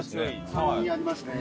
甘みありますね。